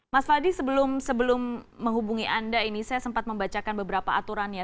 mas fadli sebelum menghubungi anda ini saya sempat membacakan beberapa aturannya